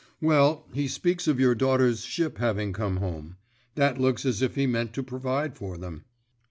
"Well, he speaks of your daughters' ship having come home. That looks as if he meant to provide for them."